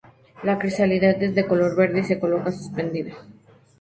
La crisálida es de color verde, y se coloca suspendida.